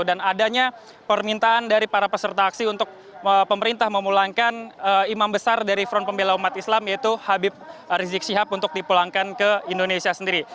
adanya permintaan dari para peserta aksi untuk pemerintah memulangkan imam besar dari front pembela umat islam yaitu habib rizik syihab untuk dipulangkan ke indonesia sendiri